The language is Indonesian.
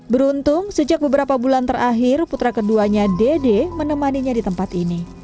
beruntung sejak beberapa bulan terakhir putra keduanya dede menemaninya di tempat ini